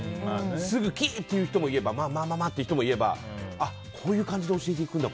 すぐキー！っていう人もいればまあまあっていう人もいればああ、こういう感じで教えていくんだ